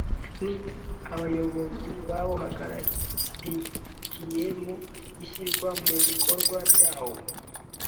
ni Abayobozi bawuhagarikiye mu ishyirwa mu bikorwa ryawo